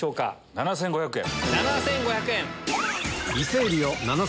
７５００円。